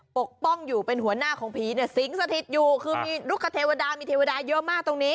ปกป้องอยู่เป็นหัวหน้าของผีเนี่ยสิงสถิตอยู่คือมีลูกคเทวดามีเทวดาเยอะมากตรงนี้